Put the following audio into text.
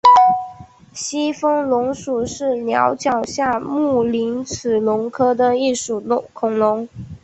西风龙属是鸟脚下目棱齿龙科的一属恐龙。